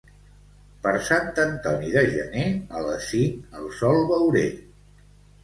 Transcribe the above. Per Sant Antoni de gener a les cinc el sol veuré.